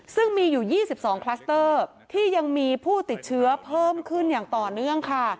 ซึ่งมีอยู่๒๒คลัสเตอร์ที่ยังมีผู้ติดเชื้อเพิ่มขึ้นอย่างต่อเนื่องค่ะ